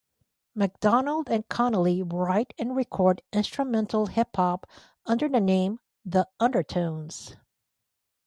MacDonald and Connelly write and record instrumental hip-hop under the name 'The Undertones'.